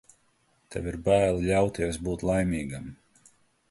Tev ir bail ļauties būt laimīgam.